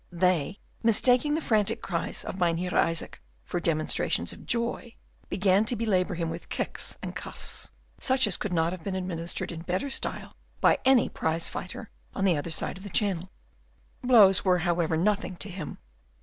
They, mistaking the frantic cries of Mynheer Isaac for demonstrations of joy, began to belabour him with kicks and cuffs, such as could not have been administered in better style by any prize fighter on the other side of the Channel. Blows were, however, nothing to him.